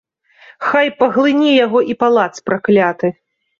Хай паглыне яго і палац пракляты!